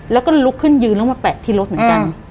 แล้วก็ลุกขึ้นยืนแล้วมาแปะที่รถเหมือนกัน